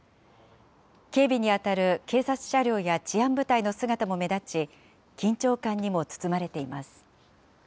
警備に当たる警察車両や治安部隊の姿も目立ち、緊張感にも包まれています。